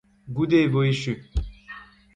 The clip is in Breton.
Goude e vo echu .